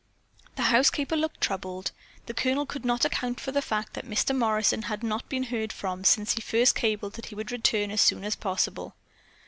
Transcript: The housekeeper looked troubled. The Colonel could not account for the fact that Mr. Morrison had not been heard from since he first cabled that he would return as soon as possible.